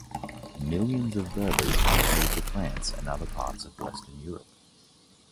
Millions of Berbers immigrated to France and other parts of Western Europe.